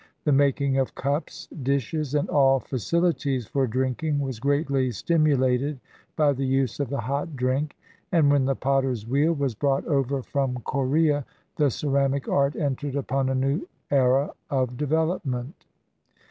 The making of cups, dishes, and all facilities for drinking was greatly stimulated by the use of the hot drink, and when the potter's wheel was brought over from Corea the ceramic art entered upon a new era of development.